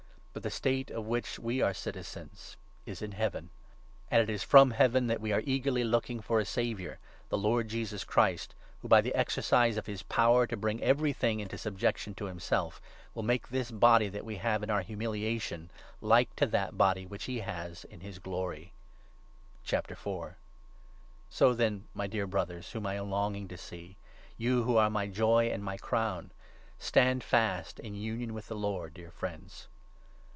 But the State of which we are citizens is in 20 Heaven ; and it is from Heaven that we are eagerly looking for a Saviour, the Lord Jesus Christ, who, by the exercise of his power to bring everything into subjection to himself, will 21 make this body that we have in our humiliation like to that body which he has in his Glory. VI .— CONCLUSION. So then, my dear Brothers, whom I am long i 4 uione. jng. to see — vou wjlQ are mv jQy ancj mv crowil) stand fast in union with the Lord, dear friends.